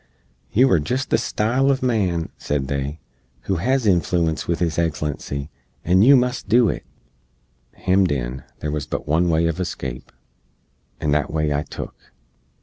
"You are jist the style uv man," said they, "who hez inflooence with His Eggslency, and yoo must do it." Hemmed in, there wuz but one way uv escape, and that way I took.